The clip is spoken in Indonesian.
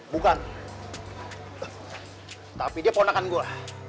bukan tapi dia ponakan gue